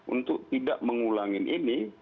untuk tidak mengulangin ini